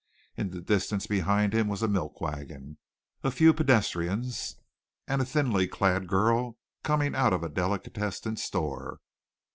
In the distance behind him was a milk wagon, a few pedestrians, a little thinly clad girl coming out of a delicatessen store.